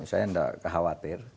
saya gak kekhawatir